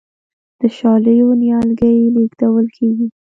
د شالیو نیالګي لیږدول کیږي.